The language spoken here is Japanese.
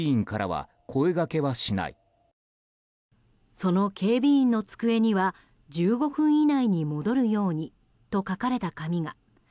その警備員の机には１５分以内に戻るようにと書かれた紙が。